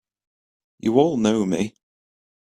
You all know me!